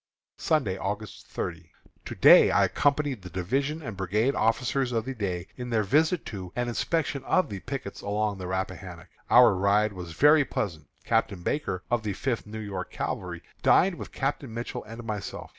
Sunday, August 30. To day I accompanied the division and brigade officers of the day in their visit to and inspection of the pickets along the Rappahannock. Our ride was very pleasant. Captain Barker, of the Fifth New York Cavalry, dined with Captain Mitchell and myself.